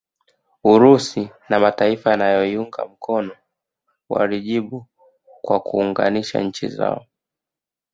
Urusi na mataifa yanayoiunga mkono walijibu kwa kuunganisha nchi zao